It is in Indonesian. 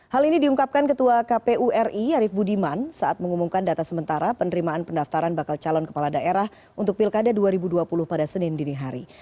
hal ini diungkapkan ketua kpu ri arief budiman saat mengumumkan data sementara penerimaan pendaftaran bakal calon kepala daerah untuk pilkada dua ribu dua puluh pada senin dinihari